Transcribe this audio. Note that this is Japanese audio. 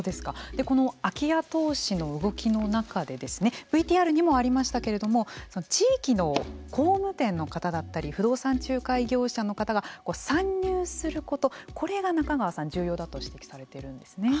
この空き家投資の動きの中でＶＴＲにもありましたけれども地域の工務店の方だったり不動産仲介業者の方が参入することこれが中川さん重要だと指摘されているんですね。